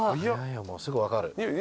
もうすぐ分かる。